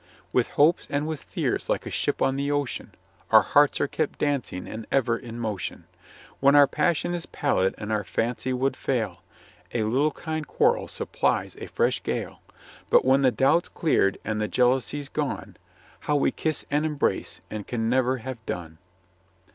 With hopes and with fears, like a ship on the ocean. Our hearts are kept dancing and ever in motion ! When our passion is pallid and our fancy would fail, A little kind quarrel supplies a fresh gale ! But when the doubt's cleared and the jealousy's gone, How we kiss and embrace, and can never have done